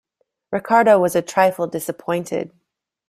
Ricardo was a trifle disappointed.